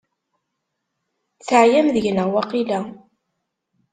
Teɛyam deg-neɣ waqila?